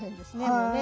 もうね。